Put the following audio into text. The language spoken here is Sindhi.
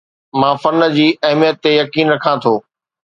مان فن جي اهميت تي يقين رکان ٿو